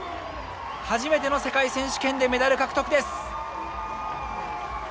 初めての世界選手権でメダル獲得です。